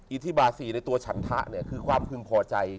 อิทธิบาสี่ในตัวฉันทะเนี่ยคือความพึงพอใจ